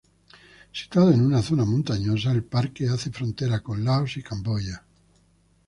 Situado en una zona montañosa, el parque hace frontera con Laos y Camboya.